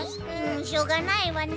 しょうがないわね。